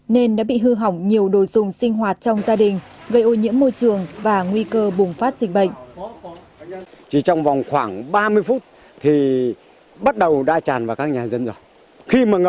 nên đã bị hư hỏng nhiều đồ dùng sinh hoạt trong gia đình gây ô nhiễm môi trường và nguy cơ bùng phát dịch bệnh